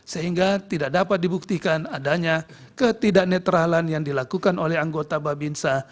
sehingga tidak dapat dibuktikan adanya ketidak netralan yang dilakukan oleh anggota babinsa